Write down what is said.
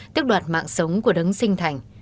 tiếp đoạt mạng sống của đấng sinh thành